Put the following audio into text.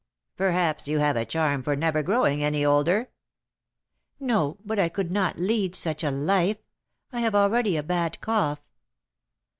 "Perhaps you have a charm for never growing any older?" "No; but I could not lead such a life. I have already a bad cough."